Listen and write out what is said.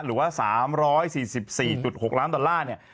หรือว่า๓๔๔๖ล้านดอลลาร์เนี่ย